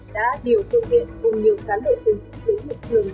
đã điều phương hiện cùng nhiều cán bệnh dân sĩ đến một trường